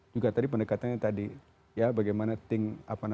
juga tadi pendekatannya tadi ya bagaimana ting apa namanya